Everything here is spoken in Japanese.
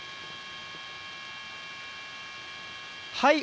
はい。